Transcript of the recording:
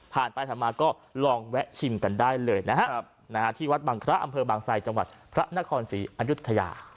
ผ่านไปผ่านมาก็ลองแวะชิมกันได้เลยนะฮะที่วัดบังคระอำเภอบางไซจังหวัดพระนครศรีอายุทยา